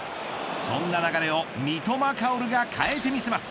そんな流れを三笘薫が変えてみせます。